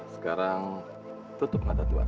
sekarang tutup mata tuhan